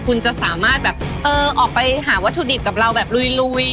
คุณจะสามารถแบบเออออกไปหาวัตถุดิบกับเราแบบลุย